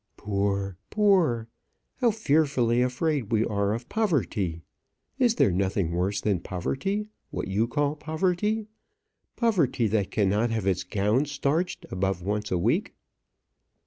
"Poor, poor! How fearfully afraid we are of poverty! Is there nothing worse than poverty, what you call poverty poverty that cannot have its gowns starched above once a week?"